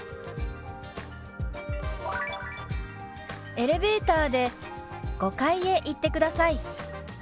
「エレベーターで５階へ行ってください」。